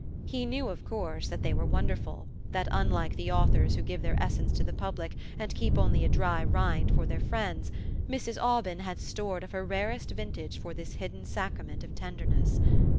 He knew, of course, that they were wonderful; that, unlike the authors who give their essence to the public and keep only a dry rind for their friends, Mrs. Aubyn had stored of her rarest vintage for this hidden sacrament of tenderness.